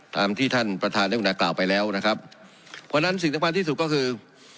ตามที่ท่านประธานได้อุณากล่าวไปแล้วนะครับเพราะฉะนั้นสิ่งสำคัญที่สุดก็คือ